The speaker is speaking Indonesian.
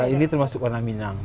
ini termasuk warna minang